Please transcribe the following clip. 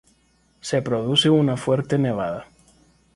Se produce una fuerte nevada.